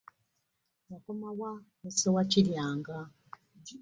Wakoma wa ne Ssewakiryanga?